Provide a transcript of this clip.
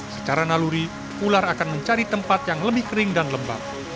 secara naluri ular akan mencari tempat yang lebih kering dan lembab